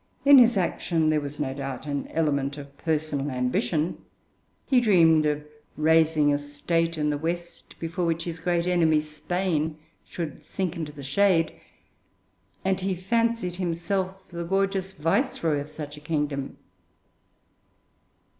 In his action there was, no doubt, an element of personal ambition; he dreamed of raising a State in the West before which his great enemy, Spain, should sink into the shade, and he fancied himself the gorgeous viceroy of such a kingdom.